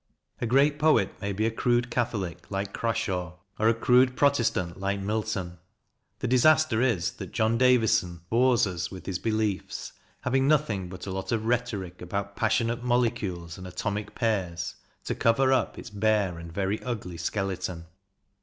A great poet may be a crude Catholic like Crashaw, or a crude Protestant like Milton. The disaster is that John Davidson bores us with his beliefs, having nothing but a lot of rhetoric about " passionate mole cules and atomic pairs " to cover up its bare and very ugly skeleton.